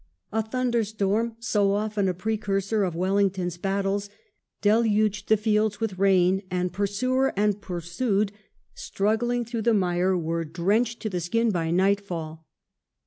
A thunderstorm, so often a pre cursor of Wellington's battles, deluged the fields with rain, and pursuer and pursued, stniggling through the mire, were drenched to the skin by nightfall.